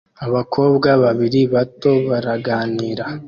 Abakobwa babiri bato baraganira